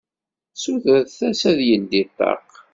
Sutrent-as ad yeldi ṭṭaq.